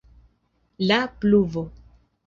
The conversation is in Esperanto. La pluvo.